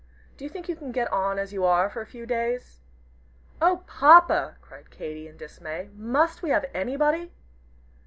Do you think you can get on as you are for a few days?" "Oh, Papa!" cried Katy, in dismay, "must we have anybody?"